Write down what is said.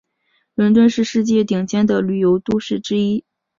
伦敦是世界顶尖的旅游都市之一。